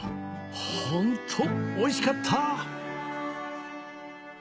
ホントおいしかった！